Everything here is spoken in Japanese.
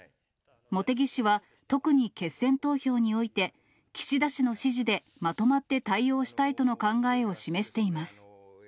茂木氏は特に決選投票において岸田氏の支持でまとまって対応したいとの考えを示しています。